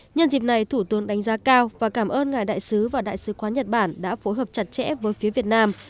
nhân dịp này thủ tướng đánh giá cao và cảm ơn ngài đại sứ và đại sứ quán nhật bản đã phối hợp chặt chẽ với phía việt nam